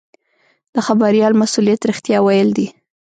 د خبریال مسوولیت رښتیا ویل دي.